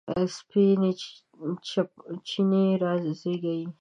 سپینې چینې رازیږي